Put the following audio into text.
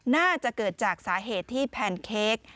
น่าจะเกิดจากสาเหตุที่แพนเค้ก